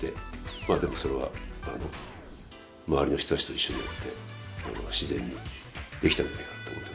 まあでもそれは周りの人たちと一緒にやって自然にできたんじゃないかなと思ってます。